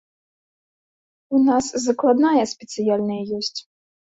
У нас закладная спецыяльная ёсць.